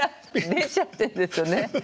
出ちゃってんですよね。